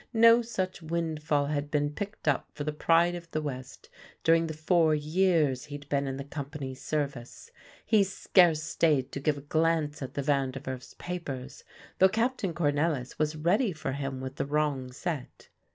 No such windfall had been picked up for the Pride of the West during the four years he'd been in the company's service. He scarce stayed to give a glance at the Van der Werf's papers, though Captain Cornelisz was ready for him with the wrong set.